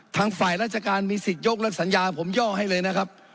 ทางฝ่ายราชการมีสิทธิ์ยกเลิกสัญญาผมย่อให้เลยนะครับ